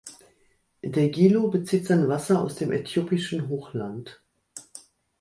Der Gilo bezieht sein Wasser aus dem äthiopischen Hochland.